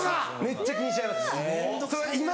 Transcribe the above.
めっちゃ気にしちゃいます。